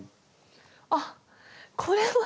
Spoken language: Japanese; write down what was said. あっこれは。